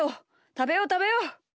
たべようたべよう！